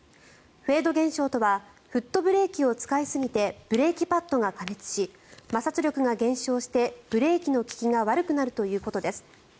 フェード現象とはフットブレーキを使いすぎてブレーキパッドが過熱し摩擦力が減少してブレーキの利きが悪くなるということです。